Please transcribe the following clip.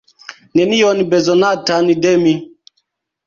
Nenion bezonatan de mi.